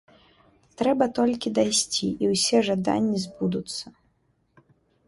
Трэба толькі дайсці, і ўсе жаданні збудуцца.